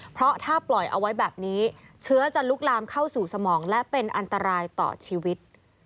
เพราะถ้าปล่อยเอาไว้แบบนี้เชื้อจะลุกลามเข้าสู่สมองและเป็นอันตรายต่อชีวิต